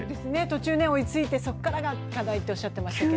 途中追いついて、そこからが課題とおっしゃってましたけど。